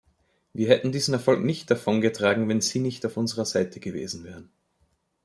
Wir hätten diesen Erfolg nicht davongetragen, wenn Sie nicht auf unserer Seite gewesen wären.